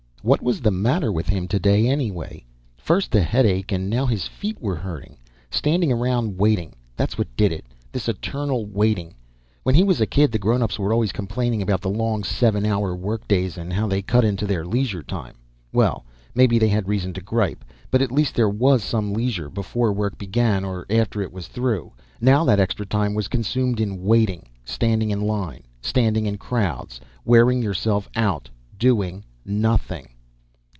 What was the matter with him today, anyway? First the headache, and now his feet were hurting. Standing around waiting, that's what did it. This eternal waiting. When he was a kid, the grownups were always complaining about the long seven hour work days and how they cut into their leisure time. Well, maybe they had reason to gripe, but at least there was some leisure before work began or after it was through. Now that extra time was consumed in waiting. Standing in line, standing in crowds, wearing yourself out doing nothing.